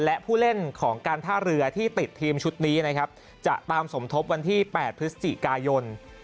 และผู้เล่นของการท่าเรือที่ติดทีมชุดนี้นะครับจะตามสมทบวันที่๘พฤศจิกายน